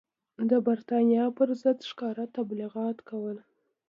د برټانیې پر ضد ښکاره تبلیغات کول.